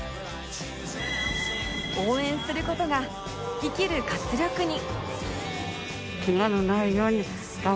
応援する事が生きる活力に